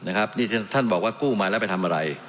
นี่ท่านบอกว่ากู้มาแล้วไปทำอะไร